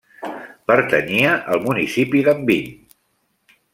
Pertanyia al municipi d'Enviny.